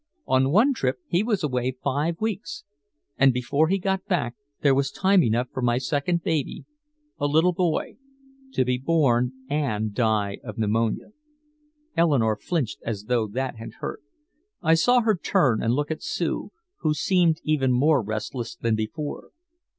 On one trip he was away five weeks and before he got back there was time enough for my second baby, a little boy, to be born and die of pneumonia." Eleanore flinched as though that had hurt. I saw her turn and look at Sue, who seemed even more restless than before.